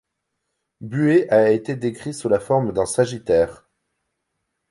Buer a été décrit sous la forme d'un Sagittaire.